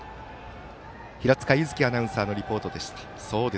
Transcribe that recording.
平塚柚希アナウンサーのリポートでした。